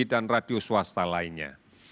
dan radio swasta lainnya